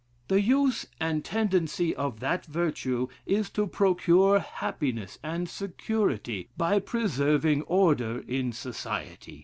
The use and tendency of that virtue is to procure happiness and security, by preserving order in society.